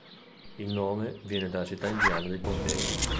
Il nome viene dalla città indiana di Bombay.